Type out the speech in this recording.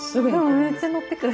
めっちゃ乗ってくる。